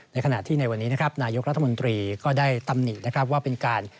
ในขณะที่ในวันนี้นะครับนายกรัฐมนตรีก็ได้ตำหนินะครับว่าเป็นการ